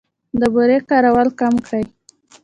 د بورې کارول کم کړئ.